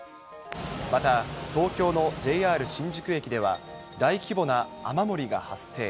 また東京のＪＲ新宿駅では、大規模な雨漏りが発生。